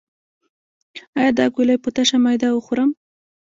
ایا دا ګولۍ په تشه معده وخورم؟